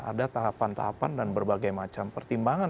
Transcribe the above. ada tahapan tahapan dan berbagai macam pertimbangan